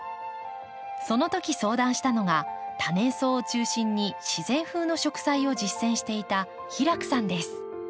その時相談したのが多年草を中心に自然風の植栽を実践していた平工さんです。